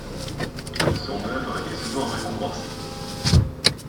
Son œuvre a été souvent récompensée.